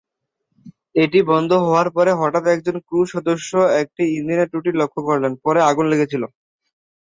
এটি বন্ধ হওয়ার পরে, হঠাৎ একজন ক্রু সদস্য একটি ইঞ্জিনের ত্রুটি লক্ষ্য করলেন; পরে আগুন লেগেছিল।